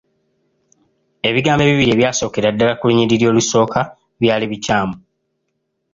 Ebigambo ebibiri ebyasookera ddala ku lunyiriri olusooka byali bikyamu.